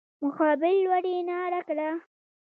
مقابل لوري ناره کړه.